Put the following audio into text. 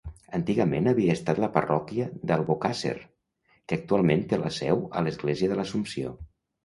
Antigament havia estat la parròquia d'Albocàsser, que actualment té la seu a l'església de l'Assumpció.